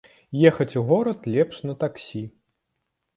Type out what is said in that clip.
Ехаць у горад лепш на таксі.